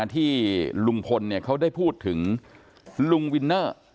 ที่ลุงพลเขาได้พูดถึงลุงวินเนอร์